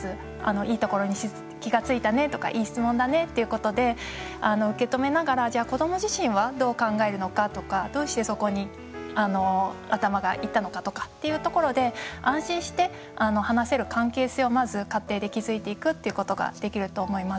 いいところに気が付いたねとかいい質問だねと受け止めながら、子ども自身はどう考えるのかとかどうしてそこに頭がいったのかというところで安心して話せる関係をまず家庭で築いていくっていうことができると思います。